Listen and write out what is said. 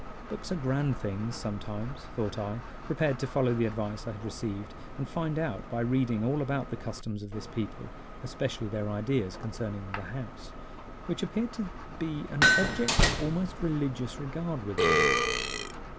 Books are grand things sometimes, thought I, prepared to follow the advice I had received, and find out by reading all about the customs of this people, especially their ideas concerning The House, which appeared to be an object of almost religious regard with them.